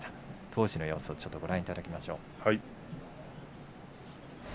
当時の様子をご覧いただきましょう。